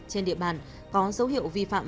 trên địa bàn có dấu hiệu vi phạm